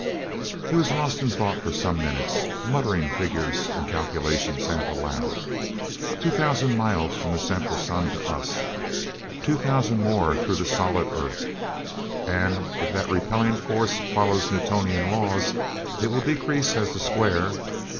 e was lost in thought for some minutes, muttering figures and calculations half aloud. "Two thousand miles from the Central Sun to us; two thousand more through the solid earth. And if that repelling force follows Newtonian laws it will decrease as the square....